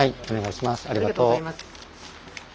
ありがとうございます。